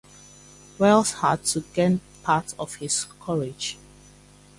Wells' heart to gain part of his courage.